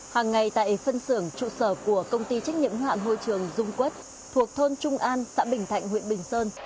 hàng ngày tại phân xưởng trụ sở của công ty trách nhiệm hữu hạn môi trường dung quốc thuộc thôn trung an xã bình thạnh huyện bình sơn